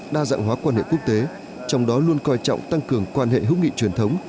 đa dạng hóa quan hệ quốc tế trong đó luôn coi trọng tăng cường quan hệ hữu nghị truyền thống